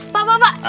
pak pak pak